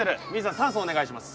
酸素お願いします